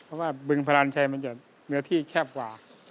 เพราะว่าบึงพรานชัยมันจะเนื้อที่แคบกว่า